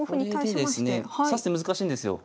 これでですね指す手難しいんですよ。